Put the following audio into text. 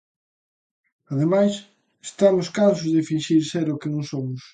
Ademais, estamos cansos de finxir ser o que non somos.